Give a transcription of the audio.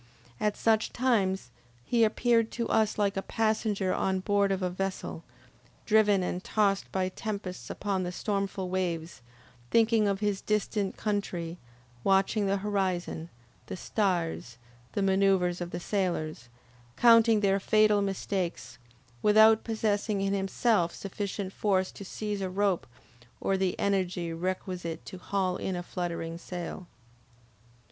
At such times, he appeared to us like a passenger on board of a vessel, driven and tossed by tempests upon the stormful waves, thinking of his distant country, watching the horizon, the stars, the manoeuvres of the sailors, counting their fatal mistakes, without possessing in himself sufficient force to seize a rope, or the energy requisite to haul in a fluttering sail.